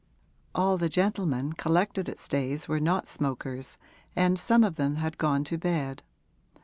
All the gentlemen collected at Stayes were not smokers and some of them had gone to bed.